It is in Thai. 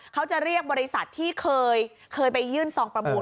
เขาจะเรียกบริษัทที่เคยไปยื่นซองประมูล